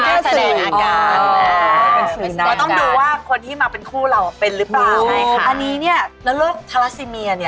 แล้วโรคทาลาซีเมียเนี่ย